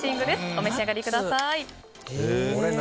お召し上がりください。